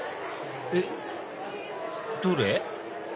えっ？どれ？